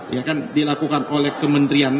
ya kan dilakukan oleh kementerian